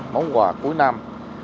món quà cuối năm